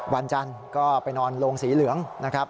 วันจันทร์ก็ไปนอนโรงสีเหลืองนะครับ